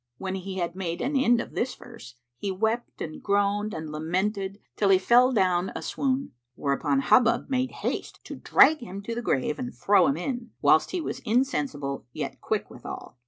When he had made an end of this verse, he wept and groaned and lamented till he fell down a swoon, whereupon Hubub made haste to drag him to the grave and throw him in, whilst he was insensible yet quick withal.